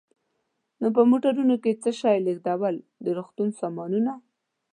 نو په موټرونو کې څه شی لېږدوو؟ د روغتون سامانونه.